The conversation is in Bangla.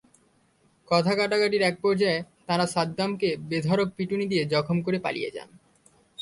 কথা-কাটাকাটির একপর্যায়ে তাঁরা সাদ্দামকে বেধড়ক পিটুনি দিয়ে জখম করে পালিয়ে যান।